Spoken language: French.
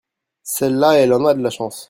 celle-là elle en a de la chance.